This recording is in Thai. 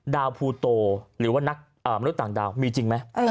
ภูโตหรือว่านักมนุษย์ต่างดาวมีจริงไหม